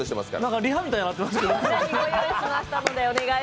なんかリハみたいになってますけど。